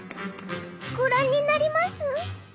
ご覧になります？